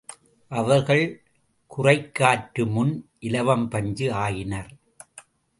அவர்கள் குறைக்காற்று முன் இலவம் பஞ்சு ஆயினர்.